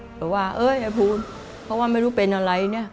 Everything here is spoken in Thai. บอกว่าเอ้ยอย่าพูดเพราะว่าไม่รู้เป็นอะไรเนี่ย